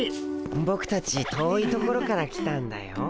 ボクたち遠い所から来たんだよ。